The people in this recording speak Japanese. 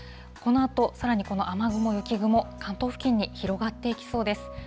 このあと、さらにこの雨雲、雪雲、関東付近に広がっていきそうです。